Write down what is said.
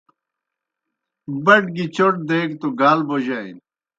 بٹ گیْ چوْٹ دیگہ توْ گال بوجانی۔